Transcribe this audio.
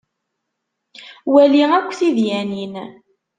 Wali akk tidyanin.